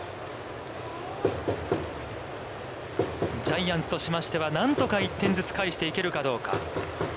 ジャイアンツとしましては何とか１点ずつ返していけるかどうか。